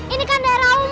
ini kan daerah umum